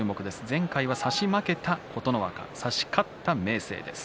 前回は差し負けた琴ノ若差し勝った明生です。